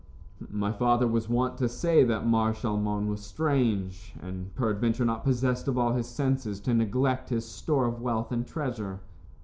"My father was wont to say that Mar Shalmon was strange and peradventure not possessed of all his senses to neglect his store of wealth and treasure."